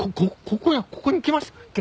ここここに来ましたっけ？